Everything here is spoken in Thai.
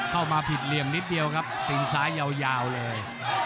เข้ามาผิดเหลี่ยมนิดเดียวครับตีนซ้ายยาวเลย